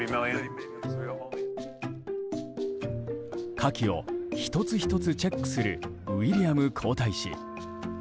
カキを１つ１つチェックするウィリアム皇太子。